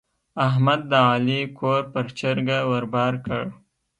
احمد د علي کور پر چرګه ور بار کړ.